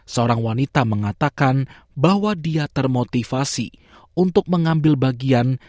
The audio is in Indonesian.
seorang wanita mengatakan bahwa dia termotivasi untuk mengambil bagian